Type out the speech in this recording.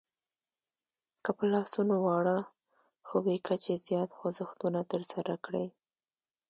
که په لاسونو واړه خو بې کچې زیات خوځښتونه ترسره کړئ